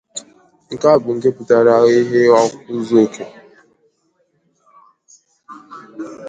Nke a bụ nke pụtara ihè n'ozùzuoke